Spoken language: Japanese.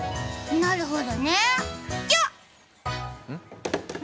なるほどね、じゃ。